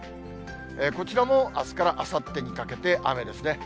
こちらもあすからあさってにかけて雨ですね。